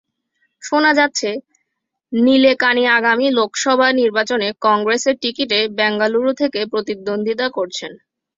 শোনা যাচ্ছে, নিলেকানি আগামী লোকসভা নির্বাচনে কংগ্রেসের টিকিটে বেঙ্গালুরু থেকে প্রতিদ্বন্দ্বিতা করছেন।